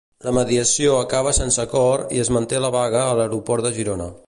La mediació acaba sense acord i es manté la vaga a l'aeroport de Girona.